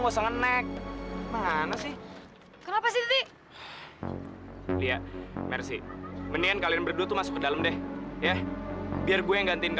sampai jumpa di video selanjutnya